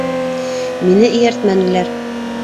Мине эйәртмәнеләр.